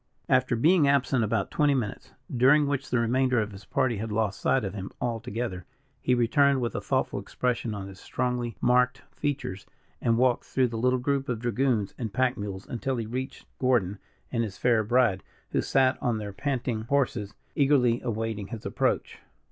After being absent about twenty minutes, during which the remainder of his party had lost sight of him altogether, he returned with a thoughtful expression on his strongly marked features, and walked through the little group of dragoons and pack mules, until he reached Gordon and his fair bride, who sat on their panting horses, eagerly awaiting his approach.